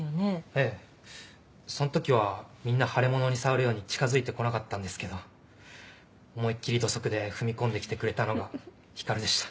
ええその時はみんな腫れ物に触るように近づいてこなかったんですけど思いっ切り土足で踏み込んできてくれたのがひかるでした。